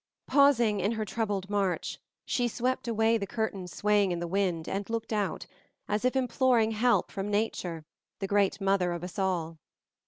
Pausing in her troubled march, she swept away the curtain swaying in the wind and looked out, as if imploring help from Nature, the great mother of us all.